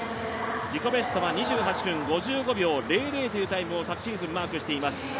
自己ベストは２８分５５秒００というタイムを昨シーズンマークしています。